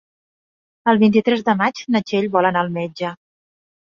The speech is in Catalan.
El vint-i-tres de maig na Txell vol anar al metge.